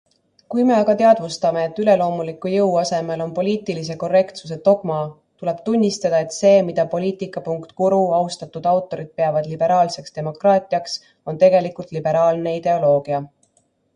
Kui me aga teadvustame, et üleloomuliku jõu asemel on poliitilise korrektsuse dogma, tuleb tunnistada, et see, mida Poliitika.guru austatud autorid peavad liberaalseks demokraatiaks, on tegelikult liberaalne ideoloogia.